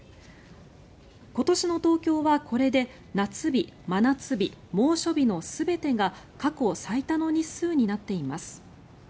今年の東京はこれで夏日、真夏日、猛暑日の全てが過去最多の日数になっています。